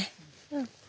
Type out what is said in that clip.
うん。